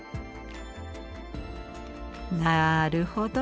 なるほど！